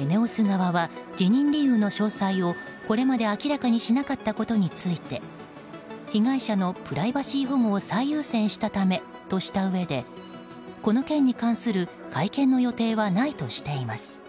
ＥＮＥＯＳ側は辞任理由の詳細をこれまで明らかにしなかったことについて被害者のプライバシー保護を最優先したためとしたうえでこの件に関する会見の予定はないとしています。